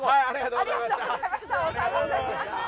ありがとうございます。